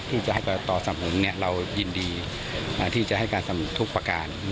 ที่จะให้ต่อสำหงุมเรายินดีที่จะให้การสำทุกข์ประการ